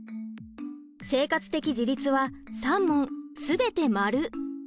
生活的自立は３問全て○！